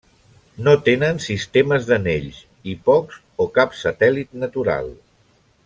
No tenen sistemes d'anells i pocs o cap satèl·lit natural.